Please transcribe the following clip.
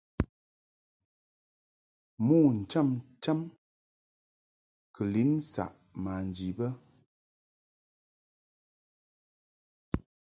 Mo ncham cham kɨ lin saʼ manji bə.